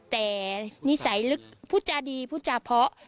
แต่นิสัยลึกพูดจาดีพูดจาเพาะ